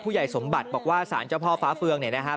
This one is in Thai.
ผู้ใหญ่สมบัติบอกว่าสานเจ้าพ่อฟ้าเฟืองเนี่ยนะฮะ